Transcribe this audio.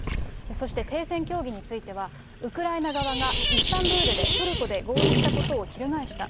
そして停戦協議については、ウクライナ側がイスタンブールで、トルコで合意したことを翻した。